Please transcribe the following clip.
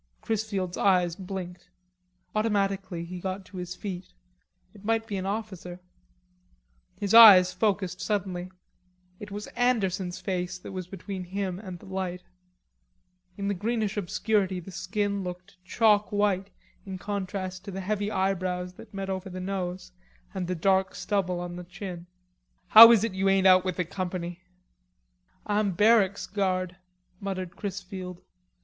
Chrisfield's eyes blinked. Automatically he got to his feet; it might be an officer. His eyes focussed suddenly. It was Anderson's face that was between him and the light. In the greenish obscurity the skin looked chalk white in contrast to the heavy eyebrows that met over the nose and the dark stubble on the chin. "How is it you ain't out with the company?" "Ah'm barracks guard," muttered Chrisfield.